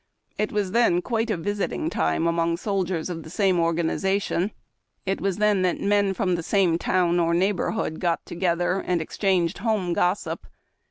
It was then quite a visiting time among soldiers of the same organization. It was then that men from the same town or neighborhood got torrether DRAFTING. and exchanged liome gossip.